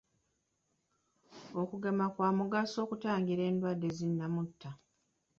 Okugema kwa mugaso okutangira endwadde zi nnamutta.